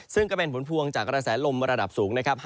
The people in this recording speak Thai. ซึ่งก็เป็นผลพวงจากกระแสลมระดับสูงนะครับ